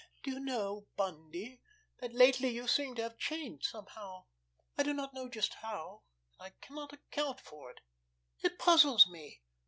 "Do you know, Bundy, that lately you seem to have changed somehow. I do not know just how, and I cannot account for it. It puzzles me."